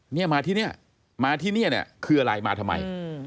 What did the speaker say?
เนี่ยมาที่เนี่ยมาที่นี่เนี่ยคืออะไรมาทำไม